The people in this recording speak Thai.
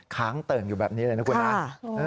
ค้างเติ่งอยู่แบบนี้เลยนะคุณนะ